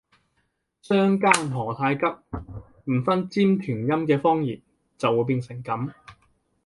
相姦何太急，唔分尖團音嘅方言就會變成噉